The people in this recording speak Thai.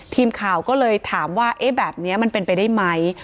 ทีมข่าวก็เลยถามว่าเอ๊ะแบบนี้มันเป็นไปได้ไหม